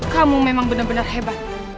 kamu memang benar benar hebat